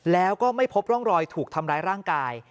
แล้วก็ไม่พบร่องรอยถูกทำร้ายร่างกาย